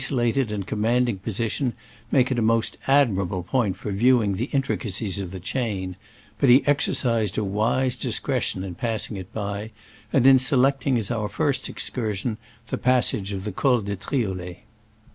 lated and commanding position make it a most admirable point for viewing the intricacies of the chain, but he exercised a wise discretion in passing it by, and in selecting as our first excursion the pas sage of the Col de Triolet.